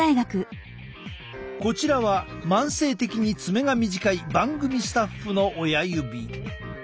こちらは慢性的に爪が短い番組スタッフの親指。